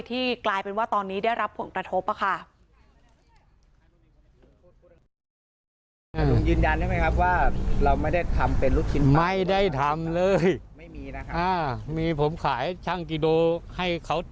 กลายเป็นว่าตอนนี้ได้รับผลกระทบค่ะ